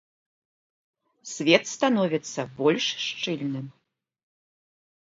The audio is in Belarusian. Свет становіцца больш шчыльным.